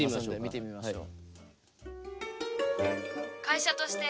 見てみましょう。